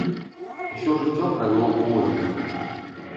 Усё жыццё правёў у войнах.